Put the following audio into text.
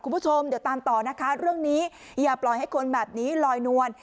คุณผู้ชมเดี๋ยวตามต่อนะคะเรื่องนี้อย่าปล่อยให้คนแบบนี้ลอยนวล